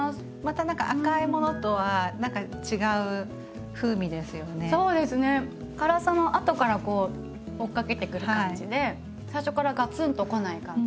そうですね辛さも後からこう追っかけてくる感じで最初からガツンとこない感じ。